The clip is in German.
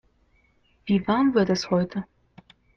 Wie warm wird es heute?